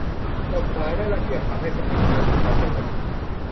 กฎหมายและระเบียบทำให้ยังคงมีความสงบ